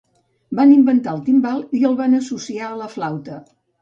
Van inventar el timbal i el va associar a la flauta.